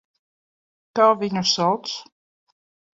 Kā viņu sauc?